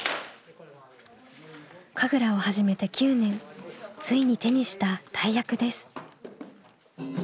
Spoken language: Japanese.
神楽を始めて９年ついに手にした大役です。